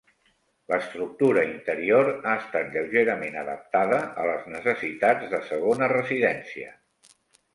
L'estructura interior ha estat lleugerament adaptada a les necessitats de segona residència.